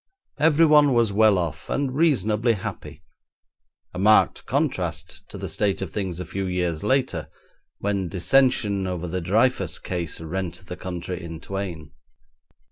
Everyone was well off and reasonably happy, a marked contrast to the state of things a few years later, when dissension over the Dreyfus case rent the country in twain.